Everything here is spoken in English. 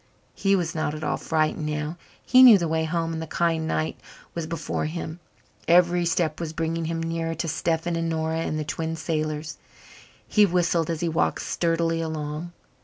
He was not at all frightened now. He knew the way home and the kind night was before him. Every step was bringing him nearer to Stephen and Nora and the Twin Sailors. He whistled as he walked sturdily along.